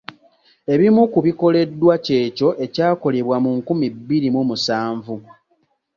Ebimu ku bikoleddwa kyekyo ekyakolebwa mu nkumi bbiri mu musanvu.